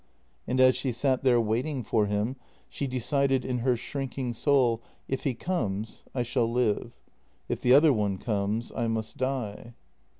And as she sat there waiting for him she decided in her shrinking soul: If he comes, I shall live. If the other one comes, I must die.